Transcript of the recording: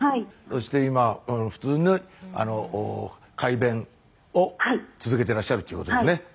そして今普通に快便を続けてらっしゃるということですね。